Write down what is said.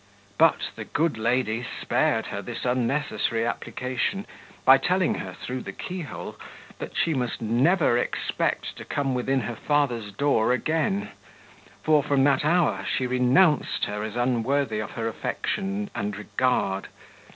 But the good lady spared her this unnecessary application, by telling her, through the keyhole, that she must never expect to come within her father's door again; for, from that hour, she renounced her as unworthy of her affection and regard.